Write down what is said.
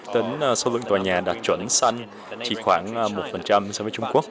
tính số lượng tòa nhà đạt chuẩn xanh chỉ khoảng một so với trung quốc